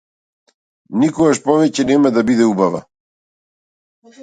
Никогаш повеќе нема да биде убава.